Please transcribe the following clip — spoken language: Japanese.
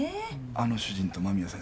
あの主人と間宮先生